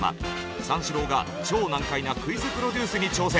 三四郎が超難解なクイズプロデュースに挑戦。